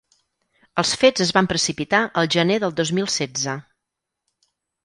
Els fets es van precipitar el gener del dos mil setze.